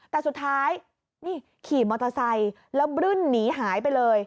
แต่สุดท้ายนี่ขี่มอเตอร์ไซค์แล้วบรึ้นหนีหายไปเลย